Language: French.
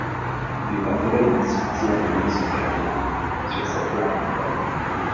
Il est enterré dans le cimetière de Maison Carrée, sur sa terre natale.